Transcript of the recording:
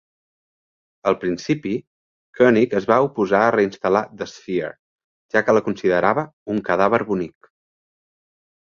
Al principi, Koenig es va oposar a reinstal·lar "The Sphere", ja que la considerava "un cadàver bonic".